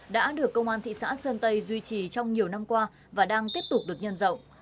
đã được công an thị xã sơn tây duy trì trong nhiều năm qua và đang tiếp tục được nhân rộng